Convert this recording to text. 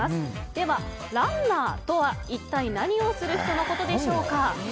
では、ランナーとは一体何をする人のことでしょうか。